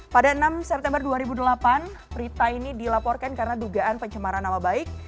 pada enam september dua ribu delapan prita ini dilaporkan karena dugaan pencemaran nama baik